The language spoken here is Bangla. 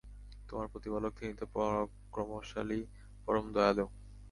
তোমার প্রতিপালক তিনি তো পরাক্রমশালী, পরম দয়ালু।